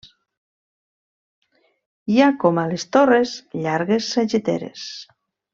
Hi ha com a les torres, llargues sageteres.